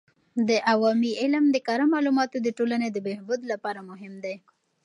د عوامي علم د کره معلوماتو د ټولنې د بهبود لپاره مهم دی.